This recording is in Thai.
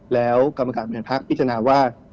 แล้วกรรมการประเภทภักดิ์พิจารณาว่า